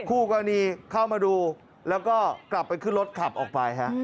คู่กรณีเข้ามาดูแล้วก็กลับไปขึ้นรถขับออกไปฮะ